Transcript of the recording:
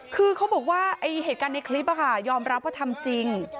คือเขาบอกว่าเหตุการณ์ในคลิปยอมรับว่าทำจริง